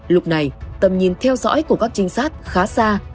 lúc này tầm nhìn theo dõi của các trinh sát khá xa